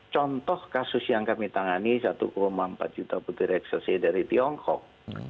contoh kasus yang kami tangani satu empat juta putri reksessi dari tiongkok